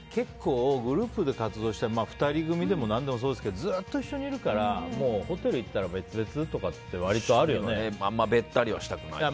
グループで活動してると２人組でも何でもそうですけどずっと一緒にいるからホテル行ったら別々とかってあんまりべったりはしたくないかな。